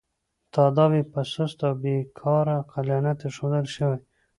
تاداو یې په سست او بې کاره عقلانیت اېښودل شوی.